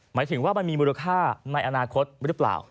หมายถึงว่ามันมีมูลค่าในอนาคตหรือเปล่า